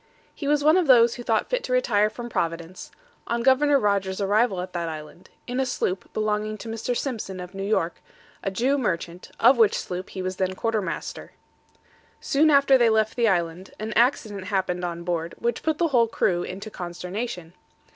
He was one of those who thought fit to retire from Providence, on Governor Rogers' arrival at that island, in a sloop belonging to Mr. Simpson, of New York, a Jew merchant, of which sloop he was then quarter master. Soon after they left the island, an accident happened on board, which put the whole crew into consternation.